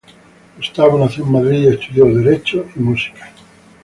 Gustavo nació en Madrid y estudió derecho y música.